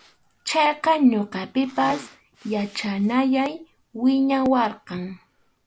Chayqa ñuqapipas yachanayay wiñawarqan.